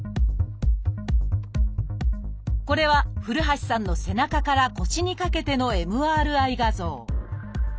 これは古橋さんの背中から腰にかけてのＭＲＩ画像。